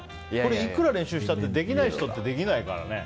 いくら練習したってできない人はできないからね。